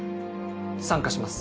参加します。